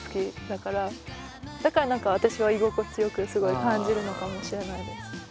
だから何か私は居心地よくすごい感じるのかもしれないです。